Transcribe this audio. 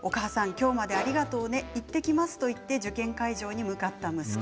今日までありがとう行ってきますと言って受験会場に向かった息子。